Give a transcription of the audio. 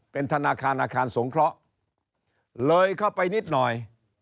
เป็นธนาคารอาคารสงเคราะห์เลยเข้าไปนิดหน่อย